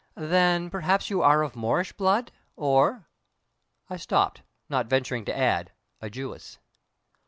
"Then perhaps you are of Moorish blood or " I stopped, not venturing to add "a Jewess."